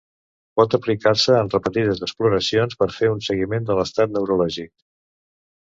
Pot aplicar-se en repetides exploracions per fer un seguiment de l'estat neurològic.